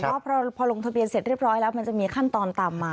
เพราะพอลงทะเบียนเสร็จเรียบร้อยแล้วมันจะมีขั้นตอนตามมา